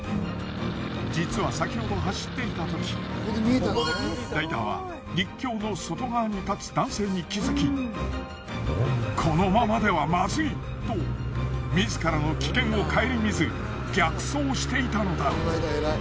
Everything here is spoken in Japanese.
実は先ほど走っていた時ライダーは陸橋の外側に立つ男性に気づきこのままではまずいとみずからの危険をかえりみず逆走していたのだ。